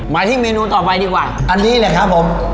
มาที่เมนูต่อไปดีกว่าอันนี้แหละครับผม